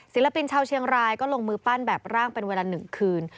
ศิลปินชาวเชียงรายก็ลงมือปั้นแบบร่างเป็นเวลา๑คืน